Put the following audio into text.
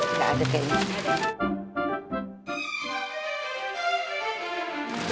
nggak ada kayak gini